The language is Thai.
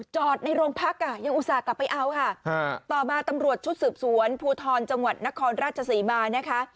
จอดในโรงพักอ่ะยังอุตส่าห์กลับไปเอาค่ะต่อมาตำรวจชุดสืบสวนภูทรจังหวัดนครราชศรีมานะคะ